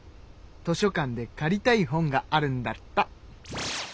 図書館で借りたい本があるんだった。